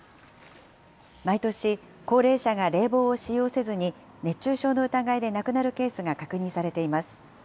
毎年、高齢者が冷房を使用せずに、熱中症の疑いで亡くなるケースが確認されています。